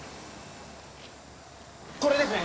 これですね。